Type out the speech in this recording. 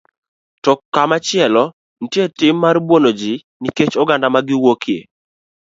To komachielo, nitie tim mar buono ji nikech oganda ma giwuokie.